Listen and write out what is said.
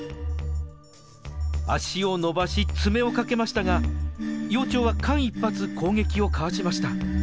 足を伸ばし爪をかけましたが幼鳥は間一髪攻撃をかわしました。